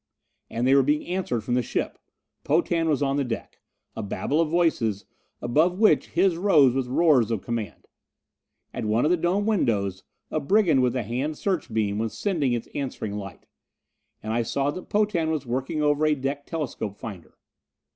And they were being answered from the ship! Potan was on the deck a babble of voices, above which his rose with roars of command. At one of the dome windows a brigand with a hand search beam was sending its answering light. And I saw that Potan was working over a deck telescope finder.